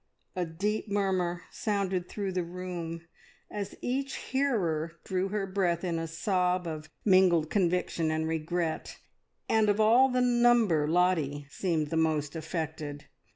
A deep murmur sounded through the room as each hearer drew her breath in a sob of mingled conviction and regret, and of all the number Lottie seemed the most affected.